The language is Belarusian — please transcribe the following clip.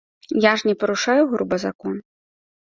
Я ж не парушаю груба закон.